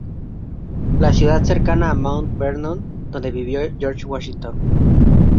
La ciudad es cercana a Mount Vernon donde vivió George Washington.